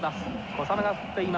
小雨が降っています